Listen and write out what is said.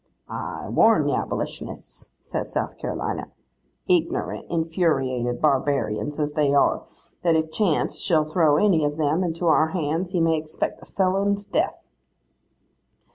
'—'I warn the abolitionists,' says South Carolina, 'ignorant, infuriated barbarians as they are, that if chance shall throw any of them into our hands, he may expect a felon's death.